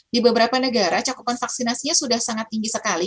di beberapa negara cakupan vaksinasinya sudah sangat tinggi sekali